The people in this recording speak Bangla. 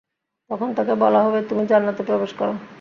তখন তাকে বলা হবে, তুমি জান্নাতে প্রবেশ কর।